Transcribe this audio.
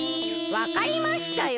わかりましたよ！